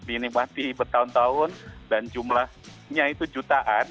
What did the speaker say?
ini masih bertahun tahun dan jumlahnya itu jutaan